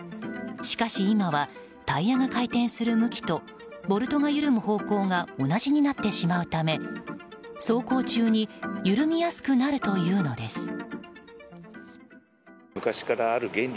しかし今はタイヤが回転する向きとボルトが緩む方向が同じになってしまうため走行中に緩みやすくなるというのです。